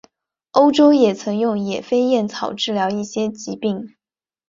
欧洲也曾用野飞燕草治疗一些疾病。